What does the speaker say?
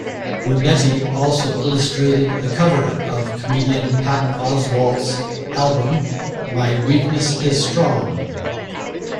Brunetti also illustrated the cover of comedian Patton Oswalt's album, "My Weakness Is Strong".